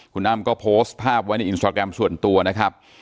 คุณอ้ำก็โพสต์ภาพไว้ในอินสตราแกรมส่วนตัวนะครับ